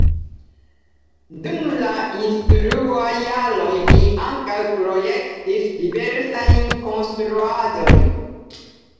Dum la instruaj jaroj li ankaŭ projektis diversajn konstruaĵojn.